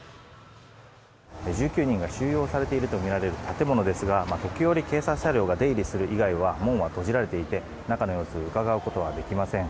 １９人が収容されているとみられる建物ですが時折、警察車両が出入りする以外は門は閉じられていて中の様子をうかがうことはできません。